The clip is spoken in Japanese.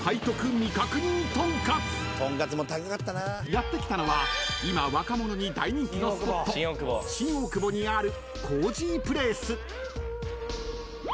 ［やって来たのは今若者に大人気のスポット新大久保にある］